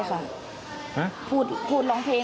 มันพูดร้องเพลง